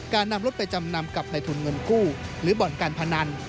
นำรถไปจำนำกับในทุนเงินกู้หรือบ่อนการพนัน